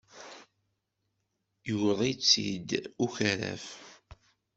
Yuweḍ-itt-id ukaraf.